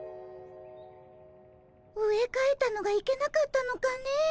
植え替えたのがいけなかったのかね。